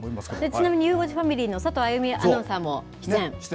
ちなみにゆう５時ファミリーの佐藤あゆみアナウンサーも出演。